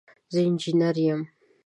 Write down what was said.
زه انجينر يم.